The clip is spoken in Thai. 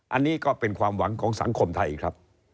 อันนี้ก็เป็นความหวังของสังคมไทยครับ